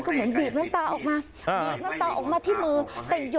ขอบความชมด้วย